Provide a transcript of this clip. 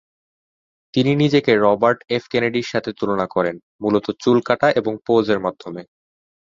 তিনি নিজেকে Robert F. কেনেডির সাথে তুলনা করেন, মূলত চুল কাটা এবং পোজের মাধ্যমে।